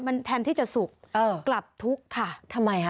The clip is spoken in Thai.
มันแทนที่จะสุขเออกลับทุกข์ค่ะทำไมคะ